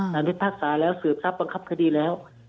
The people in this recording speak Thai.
หลังที่ภาษาแล้วสืบทรัพย์บังคับคดีแล้ว